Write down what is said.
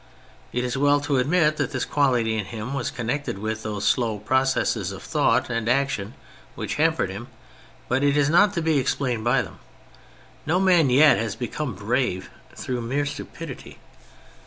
It is well to admit that this quality in him was connected with those slow processes of thou^ght and action which hampered him, but it is not to be explained by them. No man yet has become brave through mere stupidity.